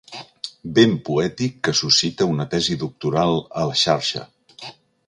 Vent poètic que suscita una tesi doctoral a la xarxa.